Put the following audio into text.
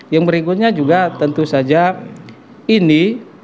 yang berikutnya juga tentu saja ini